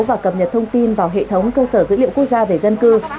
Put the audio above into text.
và cập nhật thông tin vào hệ thống cơ sở dữ liệu quốc gia về dân cư